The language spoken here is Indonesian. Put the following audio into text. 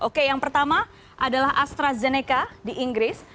oke yang pertama adalah astrazeneca di inggris